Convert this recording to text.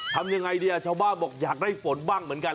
ทำยังไงดีชาวบ้านบอกอยากได้ฝนบ้างเหมือนกัน